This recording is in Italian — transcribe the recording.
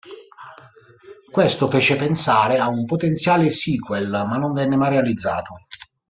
Questo fece pensare a un potenziale sequel ma non venne mai realizzato.